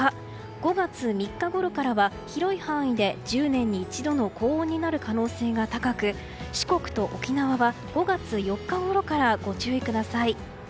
５月３日ごろからは広い範囲で１０年に一度の高温になる可能性が高く四国と沖縄は５月４日ごろからご注意ください。